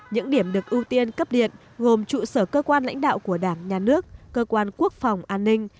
những điểm được ưu tiên cấp điện gồm trụ sở cơ quan lãnh đạo của đảng nhà nước cơ quan quốc phòng an ninh